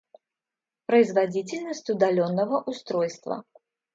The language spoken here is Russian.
Производительность удаленного устройства